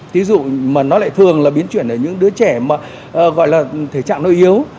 tí dụ mà nó lại thường là biến chuyển ở những đứa trẻ mà gọi là thể trạng nó yếu